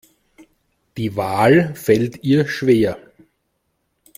Die Wahl fällt ihr schwer.